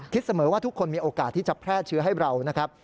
เสมอว่าทุกคนมีโอกาสที่จะแพร่เชื้อให้เรานะครับ